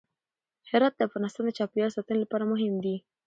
هرات د افغانستان د چاپیریال ساتنې لپاره مهم دي.